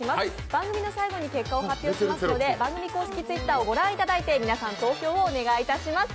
番組の最後に結果を発表いたしますので番組公式Ｔｗｉｔｔｅｒを御覧いただいて皆さん、投票をお願いします。